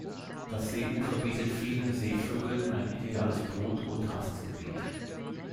Das Seeufer bietet vielen Seevögeln ein ideales Brut- und Rastgebiet.